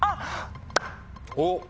おっ。